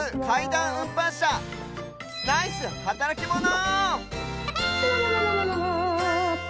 しゃナイスはたらきモノ！